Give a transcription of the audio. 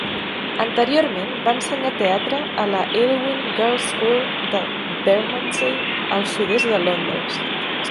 Anteriorment, va ensenyar teatre a la Aylwin Girls School de Bermondsey, al sud-est de Londres.